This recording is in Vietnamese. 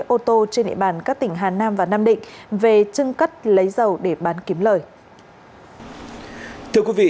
ô tô trên địa bàn các tỉnh hà nam và nam định về trưng cất lấy dầu để bán kiếm lời